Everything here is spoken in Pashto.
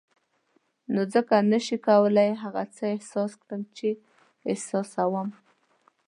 نو ځکه نه شې کولای هغه څه احساس کړې چې زه یې احساسوم.